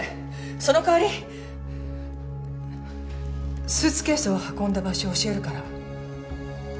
その代わりスーツケースを運んだ場所を教えるから。